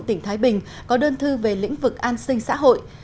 tỉnh thái bình có đơn thư về lĩnh vực an sinh xã hội